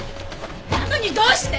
なのにどうして？